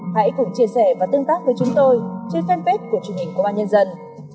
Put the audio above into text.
hãy cùng chia sẻ và tương tác với chúng tôi trên fanpage của truyền hình của bà nhân dân